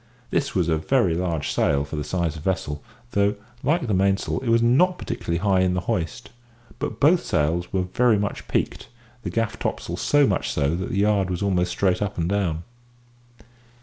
This was a very large sail for the size of the vessel, though, like the mainsail, it was not particularly high in the hoist; but both sails were very much peaked, the gaff topsail so much so that the yard was almost straight up and down.